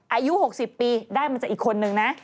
อายุ๖๐ปีได้มาจากอีกคนนึงนะ